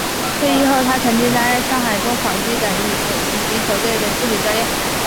退役后他曾经担任上海中纺机等乙级球队的助理教练。